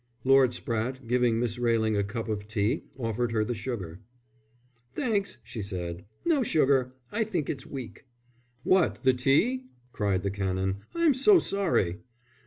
Lord Spratte, giving Miss Railing a cup of tea, offered her the sugar. "Thanks," she said. "No sugar; I think it's weak." "What, the tea?" cried the Canon. "I'm so sorry."